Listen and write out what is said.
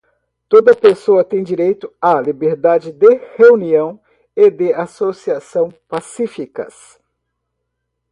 Toda a pessoa tem direito à liberdade de reunião e de associação pacíficas.